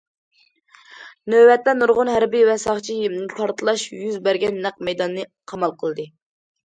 نۆۋەتتە، نۇرغۇن ھەربىي ۋە ساقچى پارتلاش يۈز بەرگەن نەق مەيداننى قامال قىلدى.